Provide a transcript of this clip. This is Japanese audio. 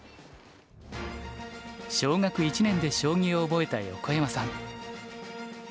小学１年で将棋を覚えた横山さん。